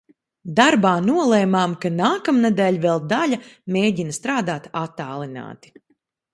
Darbā nolēmām, ka nākamnedēļ vēl daļa mēģina strādāt attālināti.